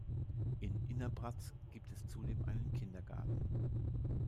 In Innerbraz gibt es zudem einen Kindergarten.